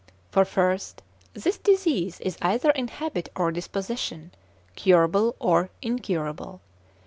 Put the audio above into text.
For first this disease is either in habit or disposition, curable or incurable.